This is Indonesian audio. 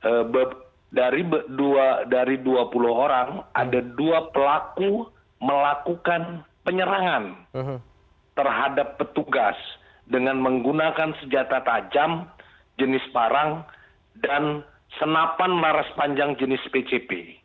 sehingga dari dua puluh orang ada dua pelaku melakukan penyerangan terhadap petugas dengan menggunakan senapan maras panjang jenis pcp